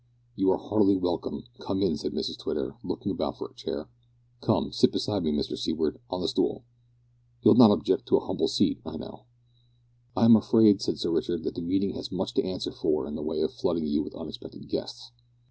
"You are heartily welcome. Come in," said Mrs Twitter, looking about for a chair, "come, sit beside me, Mr Seaward, on the stool. You'll not object to a humble seat, I know." "I am afraid," said Sir Richard, "that the meeting has much to answer for in the way of flooding you with unexpected guests."